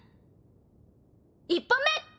１本目！